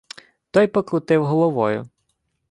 Той покрутив головою.